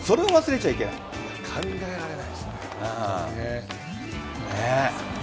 考えられないですね、本当に。